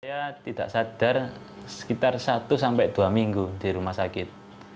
saya tidak sadar sekitar satu sampai dua minggu di rumah sakit